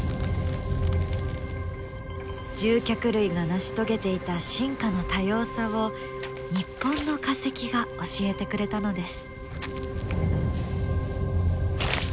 獣脚類が成し遂げていた進化の多様さを日本の化石が教えてくれたのです。